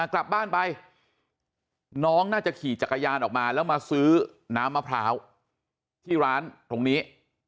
กลับบ้านไปน้องน่าจะขี่จักรยานออกมาแล้วมาซื้อน้ำมะพร้าวที่ร้านตรงนี้